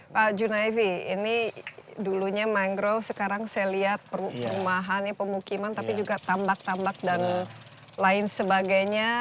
pak junaivi ini dulunya mangrove sekarang saya lihat perumahan pemukiman tapi juga tambak tambak dan lain sebagainya